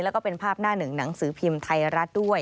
แล้วก็เป็นภาพหน้าหนึ่งหนังสือพิมพ์ไทยรัฐด้วย